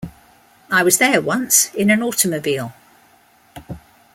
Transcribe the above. I was there once in an automobile.